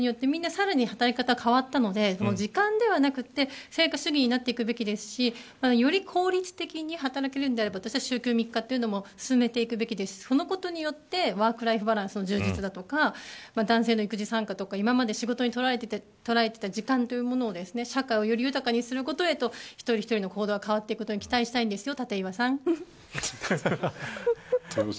でもコロナの影響によってみんな、さらに働き方が変わったので、時間ではなく成果主義になっていくべきですしより効率的に働けるんであれば私は週休３日も進めていくべきですしそのことによってワークライフバランスの充実や男性の育児参加、今まで仕事に取られていた時間というものを社会をより豊かにすること一人ひとりの行動が変わっていくことに期待したいんですよ